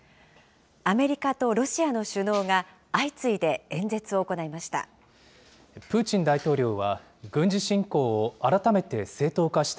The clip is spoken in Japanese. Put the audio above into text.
アメリカとロシアの首脳が相次いで演説を行いました。